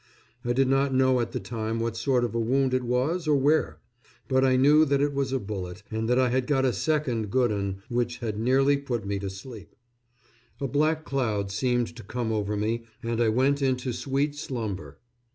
I did not know at the time what sort of a wound it was, or where; but I knew that it was a bullet, and that I had got a second good 'un which had nearly put me to sleep. A black cloud seemed to come over me and I went into sweet slumber.